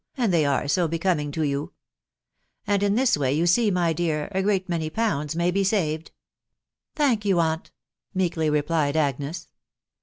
and they are so becoming to you !.... and in this way, you see, my dear, a great many pounds may be saved." i€ Thank you, aunt," meekly replied Agnes.